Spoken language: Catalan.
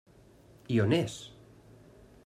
I on és?